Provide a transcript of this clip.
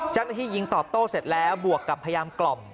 เจ้าหน้าที่ยิงตอบโต้เสร็จแล้วบวกกับพยายามกล่อม